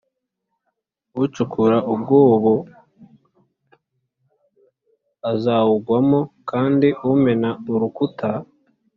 Ucukura umwobo azawugwamo kandi umena urukuta